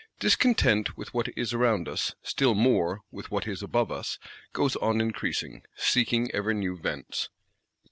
Discontent with what is around us, still more with what is above us, goes on increasing; seeking ever new vents.